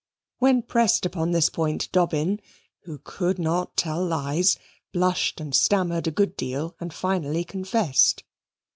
When pressed upon the point, Dobbin, who could not tell lies, blushed and stammered a good deal and finally confessed.